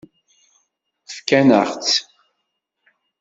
Fkan-aɣ-tt.